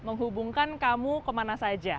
menghubungkan kamu kemana saja